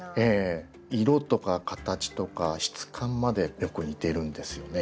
色とか形とか質感までよく似てるんですよね。